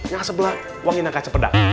ngakak sebelah wangi nakak cepedak